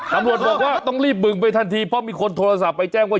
ตำรวจบอกว่าต้องรีบบึงไปทันทีเพราะมีคนโทรศัพท์ไปแจ้งว่า